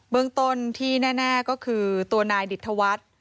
เมืองต้นที่แน่ก็คือตัวนายดิตธวัฒน์